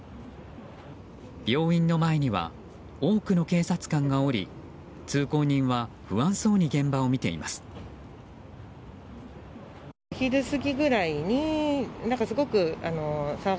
病院の前には多くの警察官がおり通行人は不安そうに現場を見ています。